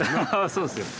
そうですよ。